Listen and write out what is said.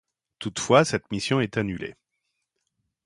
Toutefois, cette mission est annulée.